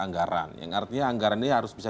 anggaran yang artinya anggaran ini harus bisa